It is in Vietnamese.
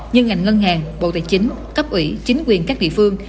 như ngành ngân hàng bộ tài chính cấp ủy chính quyền các địa phương